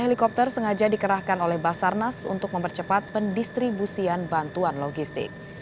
helikopter sengaja dikerahkan oleh basarnas untuk mempercepat pendistribusian bantuan logistik